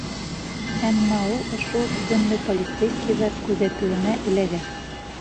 Әммә ул ошо уҡ көндө полицейскийҙар «күҙәтеүенә» эләгә.